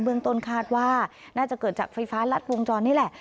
เรื่องต้นคาดว่าน่าจะเกิดจากไฟฟ้ารัดวงจรนี่แหละ